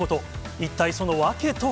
一体その訳とは。